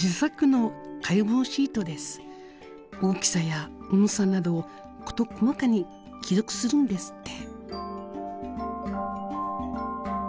大きさや重さなどを事細かに記録するんですって。